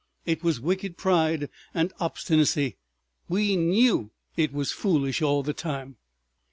"It was wicked pride and obstinacy. We knew it was foolish all the time."